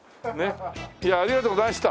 いやありがとうございました。